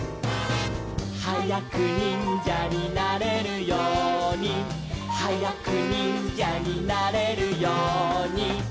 「はやくにんじゃになれるように」「はやくにんじゃになれるように」